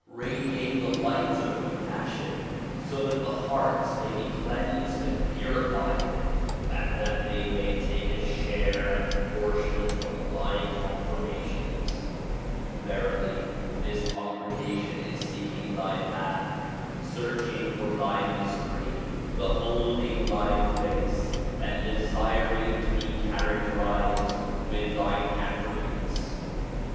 Radi ate the lights of compassion so that the hearts may be cleansed and purified and that they may take a share and portion from thy confirmations. Verily this congregation is seeking thy path, search ing for thy mystery, beholding thy face and desiring to be char acterized with thine attributes.